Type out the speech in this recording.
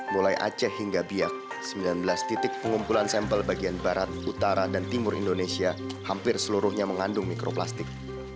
mulai aceh hingga biak sembilan belas titik pengumpulan sampel bagian barat utara dan timur indonesia hampir seluruhnya mengandung mikroplastik